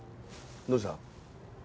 どうした？